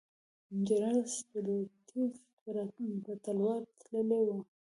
جنرال ستولیتوف په تلوار تللی وو.